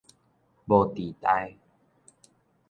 無底代